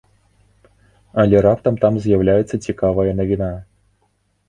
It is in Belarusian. Але раптам там з'яўляецца цікавая навіна.